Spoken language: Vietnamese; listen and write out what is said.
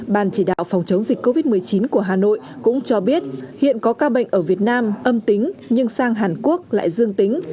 ban chỉ đạo phòng chống dịch covid một mươi chín của hà nội cũng cho biết hiện có ca bệnh ở việt nam âm tính nhưng sang hàn quốc lại dương tính